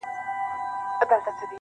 د هغه قوم په نصیب خرسالاري وي -